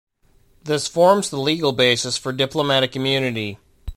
This forms the legal basis for diplomatic immunity.